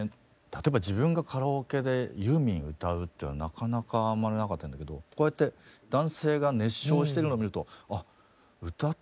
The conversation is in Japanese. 例えば自分がカラオケでユーミン歌うっていうのはなかなかあんまりなかったんだけどこうやって男性が熱唱してるの見ると「あ歌ってもいいんだ。